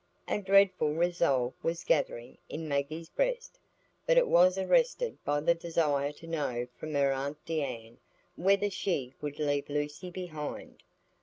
A dreadful resolve was gathering in Maggie's breast, but it was arrested by the desire to know from her aunt Deane whether she would leave Lucy behind.